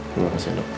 terima kasih dok